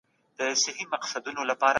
فطرت له حق سره سمون لري.